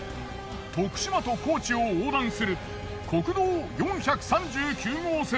徳島と高知を横断する国道４３９号線。